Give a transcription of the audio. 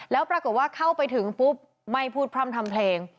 แล้วปรากฏว่าเข้าไปถึงปุ๊บไม่พูดพร่ำทำเพลง